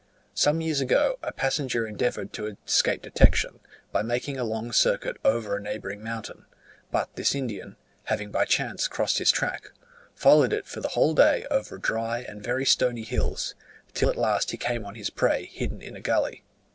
Some years ago, a passenger endeavoured to escape detection, by making a long circuit over a neighbouring mountain; but this Indian, having by chance crossed his track, followed it for the whole day over dry and very stony hills, till at last he came on his prey hidden in a gully.